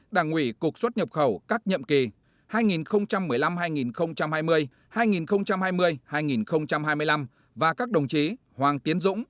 đảng ủy cục xuất nhập khẩu các nhiệm kỳ hai nghìn một mươi năm hai nghìn hai mươi hai nghìn hai mươi hai nghìn hai mươi năm và các đồng chí hoàng tiến dũng